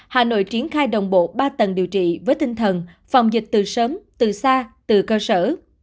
hà nội triển khai đồng bộ ba tầng điều trị với tinh thần phòng dịch từ sớm từ xa từ cơ sở